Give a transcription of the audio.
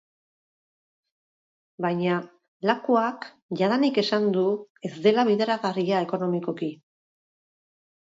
Baina Lakuak jadanik esan du ez dela bideragarria ekonomikoki.